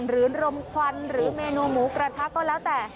รมควันหรือเมนูหมูกระทะก็แล้วแต่